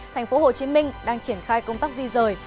tp hcm đang triển khai công tác di rời